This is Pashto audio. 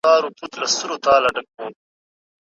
عمل نیت ته ارزښت ورکوي.